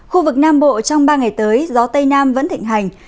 khu vực nam bộ trong ba ngày tới gió tây nam vẫn thịnh hành